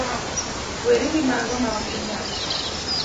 weri gimago ma okinyal.